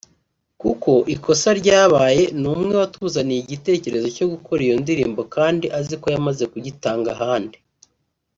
Kuko ikosa ryabaye ni umwe watuzaniye igitekerezo cyo gukora iyo ndirimbo kandi azi ko yamaze kugitanga ahandi